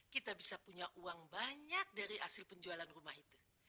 kita bisa punya uang banyak dari hasil penjualan rumah itu